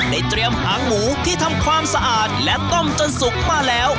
เตรียมหางหมูที่ทำความสะอาดและต้มจนสุกมาแล้ว